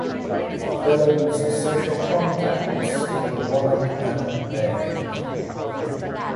Bellow's social contacts were wide and varied.